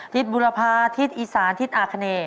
บุรพาทิศอีสานทิศอาคเน